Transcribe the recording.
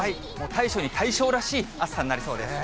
大暑に大暑らしい暑さになりそうです。